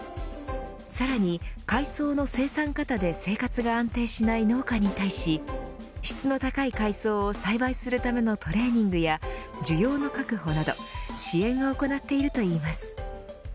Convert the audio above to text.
さらに、海藻の生産過多で生活が安定しない農家に対し質の高い海藻を栽培するためのトレーニングや需要の確保など支援を行っているといいます。